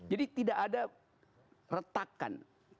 jadi tidak ada retakan